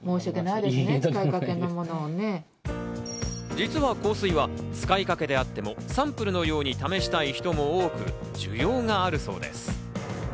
実は香水は使いかけであっても、サンプルのように試したい人も多く、需要があるそうです。